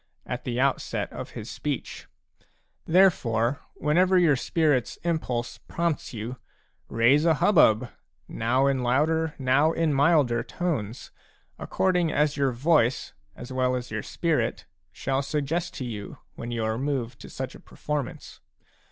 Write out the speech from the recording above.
at the outset of "his speech. 1 Ifteilefore* whenever your spirit's inipulse prompts you/raise a hubbub, now in louder now in milder tones, according as your voice, as well as your spirit, shall suggest to you, when you are moved to such a performance.